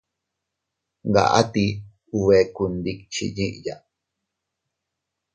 Ngaʼa ti ubekundikchi yiya.